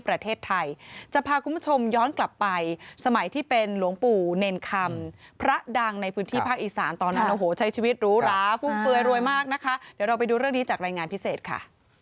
ประเทศไทยจะพาคุณผู้ชมย้อนกลับไปสมัยที่เป็นหลวงปู่เนรคำพระดังในพื้นที่ภาคอีสานตอนนั้นโอ้โหใช้ชีวิตหรูหราฟุ่มเฟือยรวยมากนะคะเดี๋ยวเราไปดูเรื่องนี้จากรายงานพิเศษค่ะ